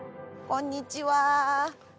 こんにちは。